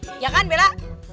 iya kan bella